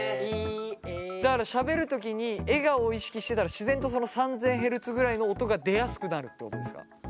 だからしゃべる時に笑顔を意識してたら自然とその３，０００ヘルツぐらいの音が出やすくなるってことですか？